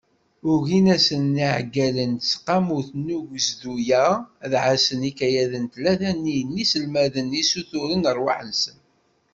Ugin-asen yiɛeggalen n tseqqamut n ugezdu-a, ad ɛassen ikayaden tlata-nni n yiselmaden, i ssuturen rrwaḥ-nsen.